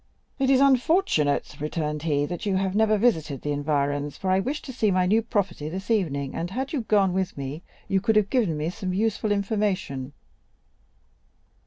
"It is unfortunate," returned he, "that you have never visited the environs, for I wish to see my new property this evening, and had you gone with me, you could have given me some useful information."